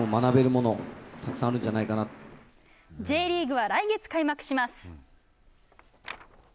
Ｊリーグは来月開幕します。